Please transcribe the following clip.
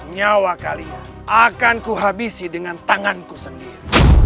nyawa kalian akan kuhabisi dengan tanganku sendiri